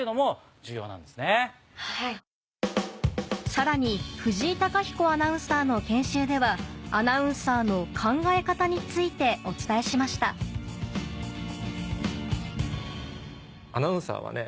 さらに藤井貴彦アナウンサーの研修ではアナウンサーの考え方についてお伝えしましたアナウンサーはね